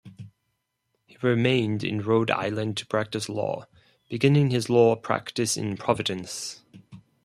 He remained in Rhode Island to practice law, beginning his law practice in Providence.